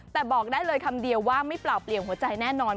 แต่บอกได้เลยคำเดียวว่าไม่เปล่าเปลี่ยนหัวใจแน่นอน